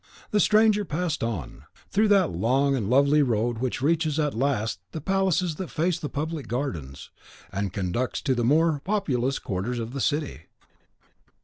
The stranger passed on, through that long and lovely road which reaches at last the palaces that face the public gardens, and conducts to the more populous quarters of the city.